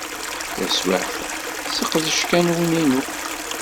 Taswiɛt-a, sseqdec kan win-inu.